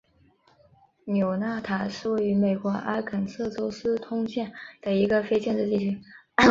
纽纳塔是位于美国阿肯色州斯通县的一个非建制地区。